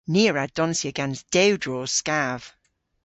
Ni a wra donsya gans dewdros skav.